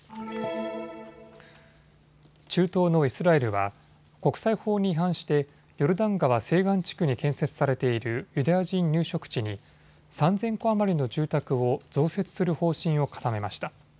中東のイスラエルは国際法に違反してヨルダン川西岸地区に建設されているユダヤ人入植地に３０００戸余りの住宅を増設する方針を固めました。